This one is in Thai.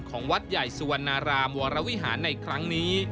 ของวัดใหญ่สุวรรณรามวรวิหารในครั้งนี้